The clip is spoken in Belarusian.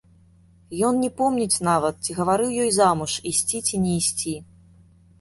Ён не помніць нават, ці гаварыў ёй замуж ісці, ці не ісці.